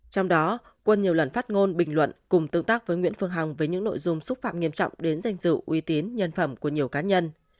trong đó quân nhiều lần phát ngôn bình luận cùng tương tác với nguyễn phương hằng về những nội dung xúc phạm nghiêm trọng đến danh dự uy tín nhân phẩm của nhiều cá nhân